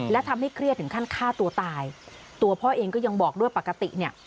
และทำให้เครียดถึงขั้นฆ่าตัวตายตัวพ่อเองก็ยังบอกด้วยปกติเนี่ย